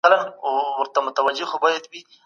سياسي قدرت د سياستپوهني د بنسټ په توګه پېژندل کېږي.